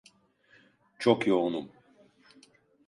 Çok yoğunum.